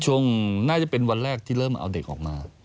ช่วงน่าจะเป็นวันแรกที่เริ่มเอาเด็กออกมา